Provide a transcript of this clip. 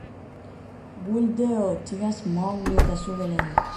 — Бульдео, — тигәс, Маугли ҙа сүгәләне.